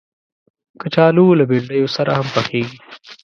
کچالو له بنډیو سره هم پخېږي